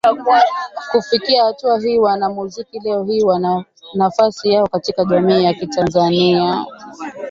Kufikia hatua hii wanamuziki leo hii wana nafasi yao katika jamii ya Tanzania